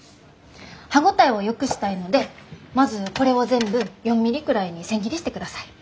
歯応えをよくしたいのでまずこれを全部４ミリくらいに千切りしてください。